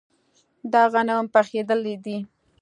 دا غنم پخیدلي دي.